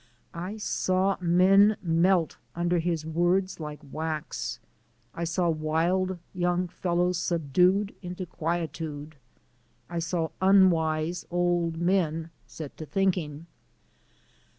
I saw men melt under his words like wax; I saw wild young fellows subdued into quietude; I saw unwise old men set to thinking.